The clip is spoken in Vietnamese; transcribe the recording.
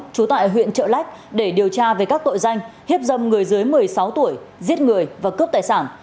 trú tại huyện trợ lách để điều tra về các tội danh hiếp dâm người dưới một mươi sáu tuổi giết người và cướp tài sản